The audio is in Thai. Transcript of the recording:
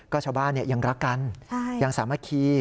ก็ชาวบ้านยังรักกันยังสามัคคี